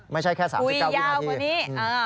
ไม่ใช่แค่๓๙วินาทีคุยยาวกว่านี้